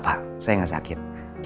pak saya gak sakit